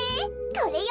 これよ。